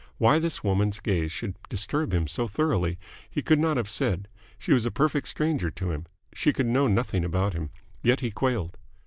Why this woman's gaze should disturb him so thoroughly, he could not have said. She was a perfect stranger to him. She could know nothing about him. Yet he quailed.